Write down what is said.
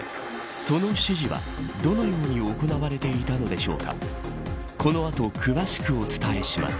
その指示はどのように行われていたのでしょうか。